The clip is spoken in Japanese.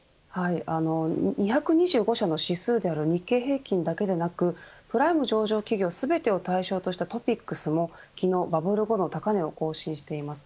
２２５社の指数である日経平均だけでなくプライム上場企業、全てを対象としたＴＯＰＩＸも昨日、バブル後の高値を更新しています。